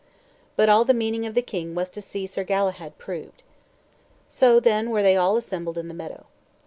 But all the meaning of the king was to see Sir Galahad proved. So then were they all assembled in the meadow.